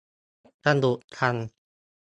สนุกจัง